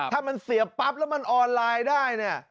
ถ้ามันเสียปั๊บแล้วมันออนไลน์ได้เนี่ย